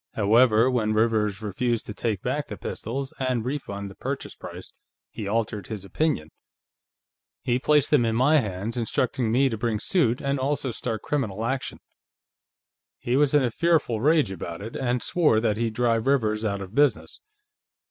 However, when Rivers refused to take back the pistols and refund the purchase price, he altered his opinion. He placed them in my hands, instructing me to bring suit and also start criminal action; he was in a fearful rage about it, and swore that he'd drive Rivers out of business.